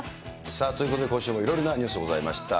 さあ、ということで今週もいろいろなニュースございました。